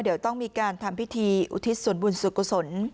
เดี๋ยวต้องมีการทำพิธีอุทิศส่วนบุญสุขุศล